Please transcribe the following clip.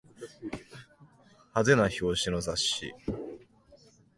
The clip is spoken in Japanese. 派手な表紙の雑誌